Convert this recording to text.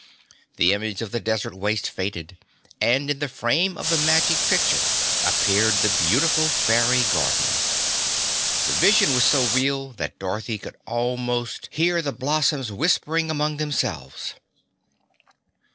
The image of the desert waste faded and in the frame of the Magic Picture appeared the beautiful fairy garden. The vision was so real that Dorothy could almost hear the blossoms whispering among themselves.